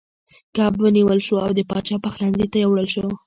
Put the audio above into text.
کب ونیول شو او د پاچا پخلنځي ته یووړل شو.